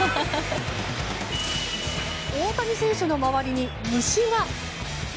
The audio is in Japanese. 大谷選手の周りに虫が。